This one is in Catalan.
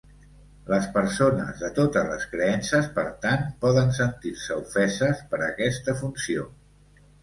Les persones de totes les creences, per tant, poden sentir-se ofeses per aquesta funció.